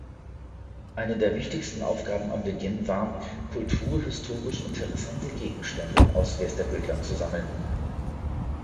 Eine der wichtigsten Aufgaben am Beginn war, kulturhistorisch interessante Gegenstände aus Västergötland zu sammeln.